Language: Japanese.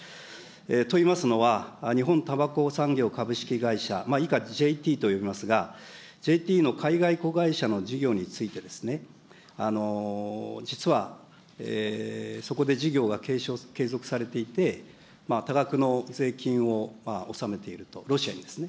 と言いますのは、日本たばこ産業株式会社、以下ＪＴと呼びますが、ＪＴの海外子会社の事業について、実は、そこで事業が継続されていて、多額の税金を納めていると、ロシアにですね。